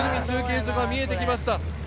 中継所が見えてきました。